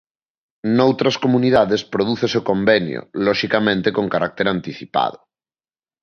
Noutras comunidades prodúcese o convenio loxicamente con carácter anticipado.